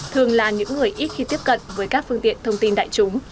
thường là những người ít khi tiếp cận với các phương tiện thông tin đại chúng